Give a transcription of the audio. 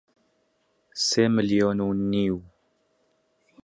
سێ ملیۆن و نیو